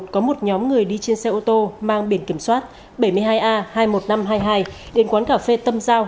có một nhóm người đi trên xe ô tô mang biển kiểm soát bảy mươi hai a hai mươi một nghìn năm trăm hai mươi hai đến quán cà phê tâm giao